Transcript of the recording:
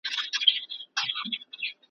په یوه علمي او فرهنګي کورنۍ کې وزېږېد